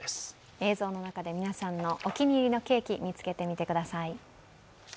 映像の中で皆さんのお気に入りのケーキ、見つけてみてください。